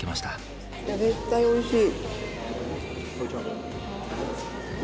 あ絶対おいしい。